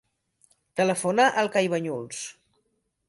Telefona al Kai Bañuls.